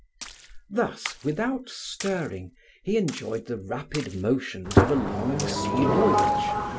Thus, without stirring, he enjoyed the rapid motions of a long sea voyage.